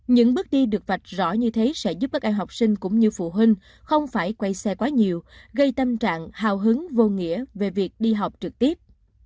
những bước đi được vạch rõ như thế sẽ giúp các em học sinh cũng như phụ huynh không phải quay xe quá nhiều gây tâm trạng hào hứng vô nghĩa về việc đi học trực tiếp